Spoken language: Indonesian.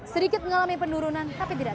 sedikit mengalami penurunan tapi tidak